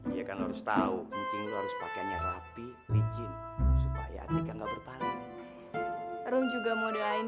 iya kan harus tahu cinggir pakainya rapi biji supaya tidak berpala juga mau doain